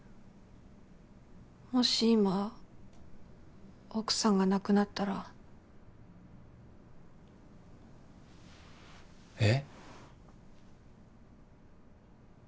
もし今奥さんが亡くなったら？え？